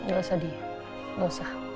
gak usah di gak usah